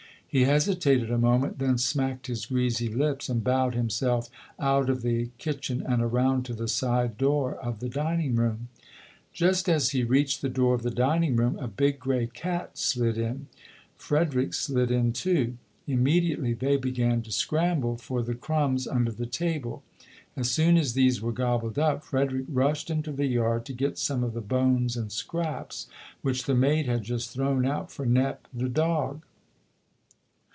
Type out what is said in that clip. He hesitated a moment, then smacked his greasy lips and bowed himself out of the kitchen and around to the side door of the dining room. Just as he reached the door of the dining room, a big, grey cat slid in. Frederick slid in too. Im mediately they began to scramble for the crumbs 20 ] UNSUNG HEROES under the table. As soon as these were gobbled up, Frederick rushed into the yard to get some of the bones and scraps which the maid had just thrown out for "Nep", the dog.